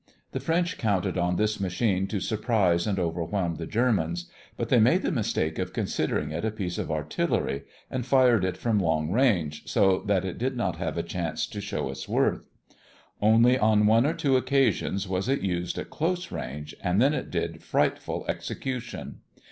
The French counted on this machine to surprise and overwhelm the Germans. But they made the mistake of considering it a piece of artillery and fired it from long range, so that it did not have a chance to show its worth. Only on one or two occasions was it used at close range, and then it did frightful execution.